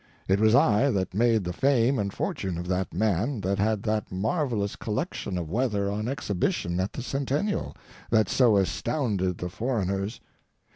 It was I that made the fame and fortune of that man that had that marvellous collection of weather on exhibition at the Centennial, that so astounded the foreigners.